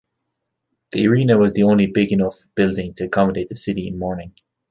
The arena was the only big enough building to accommodate the city in mourning.